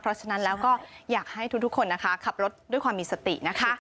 เพราะฉะนั้นแล้วก็อยากให้ทุกคนนะคะขับรถด้วยความมีสตินะคะ